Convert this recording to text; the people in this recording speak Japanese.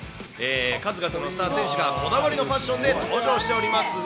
数々のスター選手がこだわりのファッションで登場しておりますが。